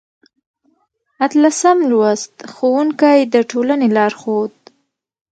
اتلسم لوست: ښوونکی د ټولنې لارښود